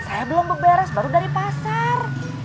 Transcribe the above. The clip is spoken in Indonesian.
saya belum berberes baru dari pasar